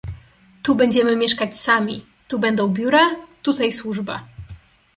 "Tu będziemy mieszkać sami, tu będą biura, tutaj służba."